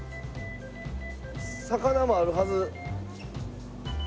魚もあるはず。